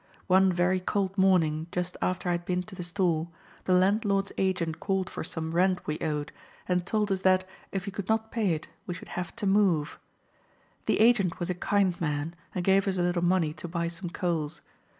One very cold morning, just after I had been to the store, the landlord's agent called for some rent we owed, and told us that, if we could not pay it, we should have to move. The agent was a kind man, and gave us a little money to buy some coals.